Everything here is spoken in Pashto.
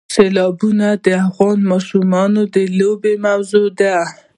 سیلابونه د افغان ماشومانو د لوبو موضوع ده.